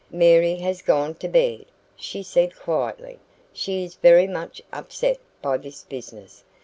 "Mary has gone to bed," she said quietly. "She is very much upset by this business.